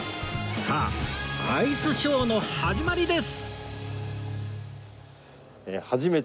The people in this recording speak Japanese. さあアイスショーの始まりです！